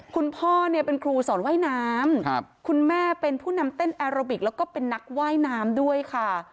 คุณพ่อเนี่ยเป็นครูสอนว่ายน้ำคุณแม่เป็นผู้นำเต้นแอโรบิกแล้วก็เป็นนักว่ายน้ำด้วยค่ะ